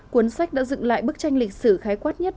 cuốn sách đã dựng lại bức tranh lịch sử khái quát nhất